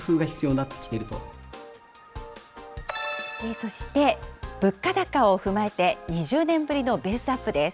そして物価高を踏まえて、２０年ぶりのベースアップです。